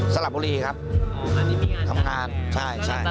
สลับบุรีครับทำงานใช่อ๋ออันนี้มีงานจากไหน